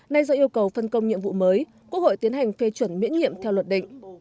nay do yêu cầu phân công nhiệm vụ mới quốc hội tiến hành phê chuẩn miễn nhiệm theo luật định